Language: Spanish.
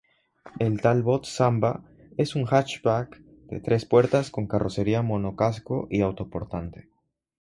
El Talbot Samba es un hatchback de tres puertas con carrocería monocasco y autoportante.